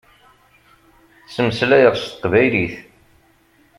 Ttmeslayeɣ s teqbaylit.